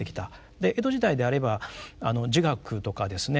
で江戸時代であれば儒学とかですね